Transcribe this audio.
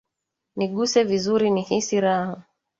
Niguse vizuri nihisi raha